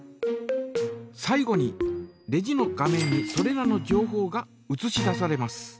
最後にレジの画面にそれらの情報がうつし出されます。